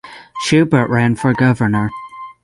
Shubert ran for Governor.